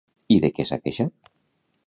I de què s'ha queixat?